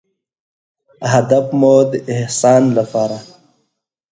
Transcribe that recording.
هدف مو د احسان لپاره